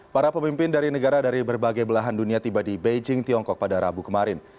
para pemimpin dari negara dari berbagai belahan dunia tiba di beijing tiongkok pada rabu kemarin